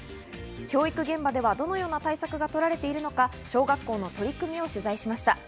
教育現場ではどのような対策が取られているのか、小学校の取り組みを取材しました。